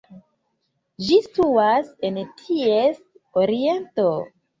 Ĝi situas en ties oriento.